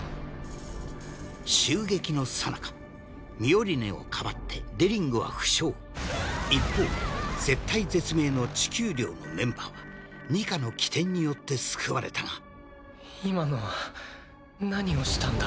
襲撃のさなかミオリネをかばってデリングは負傷一方絶体絶命の地球寮のメンバーはニカの機転によって救われたが今のは何をしたんだ？